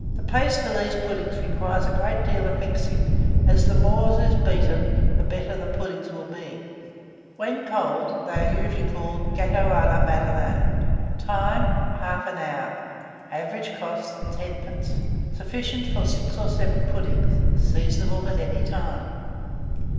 The paste for these puddings requires a great deal of mixing, as the more it is beaten, the better will the puddings be. When served cold, they are usually called gâteaux à la Madeleine. Time. 1/2 hour. Average cost, 10d. Sufficient for 6 or 7 puddings. Seasonable at any time.